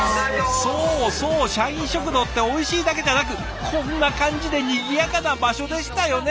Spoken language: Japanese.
そうそう社員食堂っておいしいだけじゃなくこんな感じでにぎやかな場所でしたよね